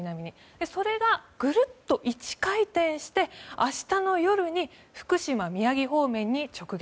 それが、ぐるっと１回転して明日の夜に福島、宮城方面に直撃。